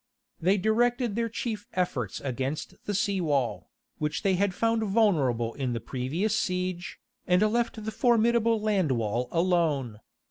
They directed their chief efforts against the sea wall, which they had found vulnerable in the previous siege, and left the formidable land wall alone.